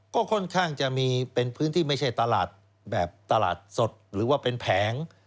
ก็ค่อนข้างจะมีเป็นพื้นที่ไม่ใช่ตลาดแบบตลาดสดหรือว่าเป็นแผง